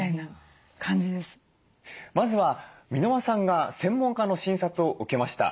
まずは箕輪さんが専門家の診察を受けました。